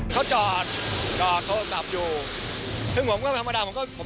พัชรประหลาดลงมุฒิทัลว่าเขาไม่ได้ทำอะไรผิด